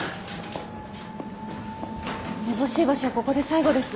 めぼしい場所はここで最後です。